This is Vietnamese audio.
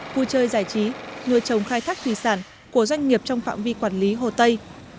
vui chơi giải trí nuôi trồng khai thác thủy sản của doanh nghiệp trong phạm vi quản lý hồ tây